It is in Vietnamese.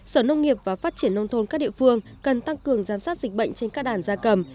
sở nông nghiệp và phát triển nông thôn các địa phương cần tăng cường giám sát dịch bệnh trên các đàn gia cầm